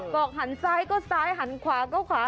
หันซ้ายก็ซ้ายหันขวาก็ขวา